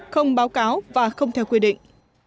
không báo cáo và không theo quy định